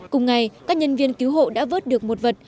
cùng ngày các nhân viên cứu hộ đã vớt được một vật